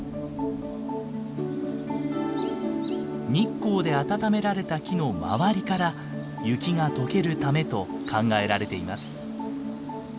日光で暖められた木の周りから雪が解けるためと考えられています。